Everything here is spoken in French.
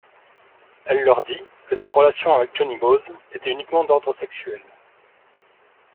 Elle leur dit que sa relation avec Johnny Boz était uniquement d'ordre sexuel.